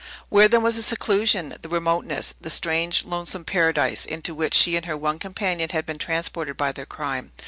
Where then was the seclusion, the remoteness, the strange, lonesome Paradise, into which she and her one companion had been transported by their crime?